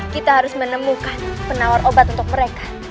kita harus menemukan penawar obat untuk mereka